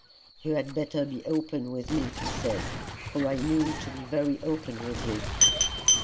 "You had better be open with me," he said, "for I mean to be very open with you."